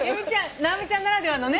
直美ちゃんならではのね。